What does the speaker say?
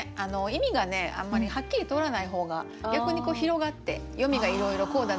意味があんまりはっきり通らない方が逆にこう広がって読みがいろいろこうだなあ